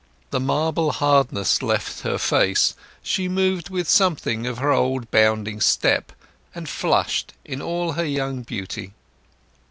The marble hardness left her face, she moved with something of her old bounding step, and flushed in all her young beauty.